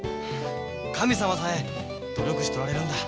神様さえ努力しとられるんだ。